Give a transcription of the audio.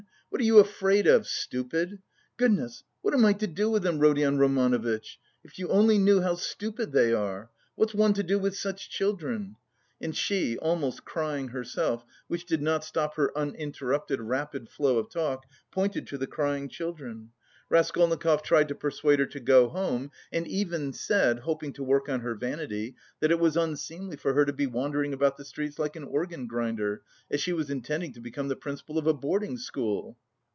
What are you afraid of, stupid? Goodness, what am I to do with them, Rodion Romanovitch? If you only knew how stupid they are! What's one to do with such children?" And she, almost crying herself which did not stop her uninterrupted, rapid flow of talk pointed to the crying children. Raskolnikov tried to persuade her to go home, and even said, hoping to work on her vanity, that it was unseemly for her to be wandering about the streets like an organ grinder, as she was intending to become the principal of a boarding school.